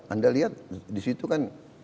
anda lihat disitu kan